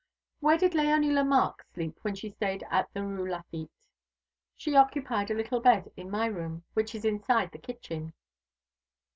"Where did Léonie Lemarque sleep when she stayed in the Rue Lafitte?" "She occupied a little bed in my room, which is inside the kitchen."